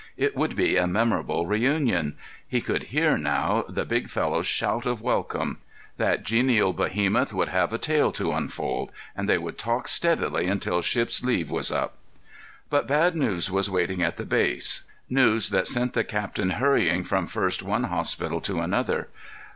It would be a memorable reunion; he could hear now the big fellow's shout of welcome. That genial behemoth would have a tale to unfold, and they would talk steadily until Shipp's leave was up. But bad news was waiting at the base—news that sent the captain hurrying from first one hospital to another.